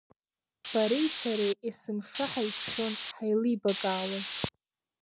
Бареи сареи есымша ҳаиқәшәон, ҳаилибакаауан…